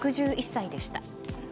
１１１歳でした。